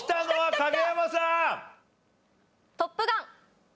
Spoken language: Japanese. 『トップガン』！